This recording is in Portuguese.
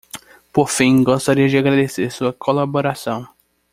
Por fim, gostaria de agradecer sua colaboração.